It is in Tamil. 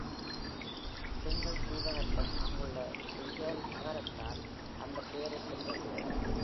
Dingle தீபகற்பம் அங்குள்ள Dingle நகரத்தால் அந்தப் பெயரைப் பெற்றது.